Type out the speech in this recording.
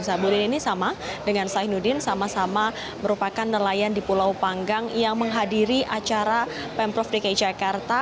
zahbudin ini sama dengan sainuddin sama sama merupakan nelayan di pulau panggang yang menghadiri acara pemprov dki jakarta